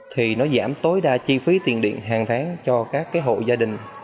thì nó giảm tối đa chi phí tiền điện hàng tháng cho các hộ gia đình